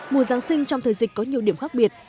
mùa giáng sinh trong thời dịch có nhiều điểm khác biệt